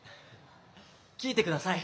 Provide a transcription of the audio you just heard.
聴いてください。